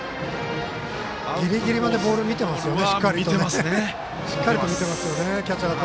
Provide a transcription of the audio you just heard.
ギリギリまでボール見ていますよね。